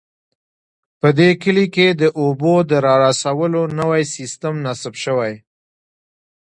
په دې کلي کې د اوبو د رارسولو نوی سیستم نصب شوی